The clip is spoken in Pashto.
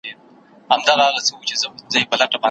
او عادي ژوند او معمولي اجتماعی موقف مو خوښ نه دی.